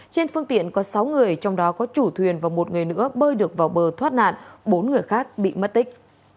trên phương tiện có sáu người trong đó có chủ thuyền và một người nữa bơi được vào bờ thoát nạn bốn người khác bị mất tích